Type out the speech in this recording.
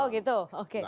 oh gitu oke